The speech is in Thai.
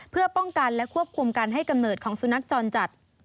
เพื่อป้องกันและควบคุมการให้กำเนิดของสุนัขจรจัด